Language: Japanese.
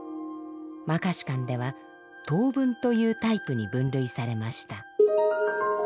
「摩訶止観」では「等分」というタイプに分類されました。